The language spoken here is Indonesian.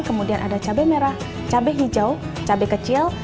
kemudian ada cabai merah cabai hijau cabai kecil